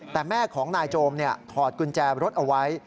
แต่แม่ของนายโจมถอดกุญแจรถเอาไว้